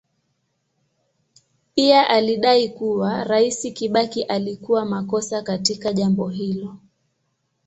Pia alidai kuwa Rais Kibaki alikuwa makosa katika jambo hilo.